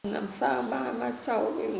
năm sau bà và cháu cố